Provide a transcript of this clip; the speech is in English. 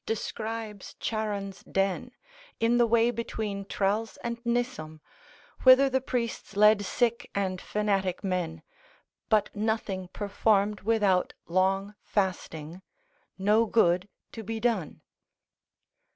describes Charon's den, in the way between Tralles and Nissum, whither the priests led sick and fanatic men: but nothing performed without long fasting, no good to be done.